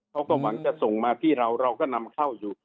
เขาก็หวังจะส่งมาที่เราเราก็นำเข้าอยู่